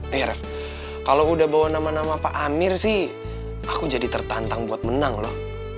eh raff kalau udah bawa nama nama pak amir sih aku jadi tertantang buat menang loh